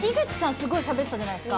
すごいしゃべってたじゃないですか。